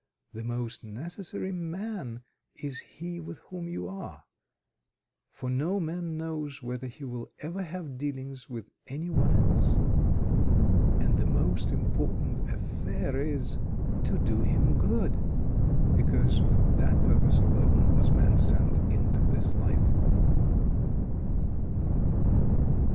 The most necessary man is he with whom you are, for no man knows whether he will ever have dealings with any one else: and the most important affair is, to do him good, because for that purpose alone was man sent into this life!"